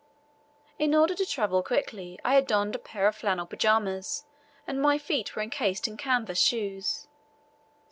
In order to travel quickly, I had donned a pair of flannel pyjamas, and my feet were encased in canvas shoes.